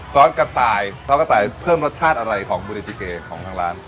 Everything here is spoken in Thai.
แล้วก็ตายแล้วก็ตายเพิ่มรสชาติอะไรของบูรดิจิเกย์ของทางร้าน